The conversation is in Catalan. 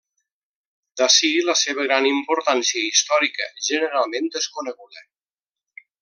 D'ací, la seva gran importància històrica, generalment desconeguda.